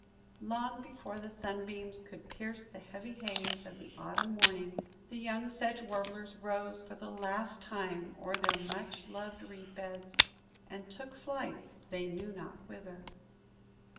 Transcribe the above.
Long before the sunbeams could pierce the heavy haze of the next autumn morning, the young Sedge Warblers rose for the last time o'er their much loved reed beds, and took flight–"they knew not whither."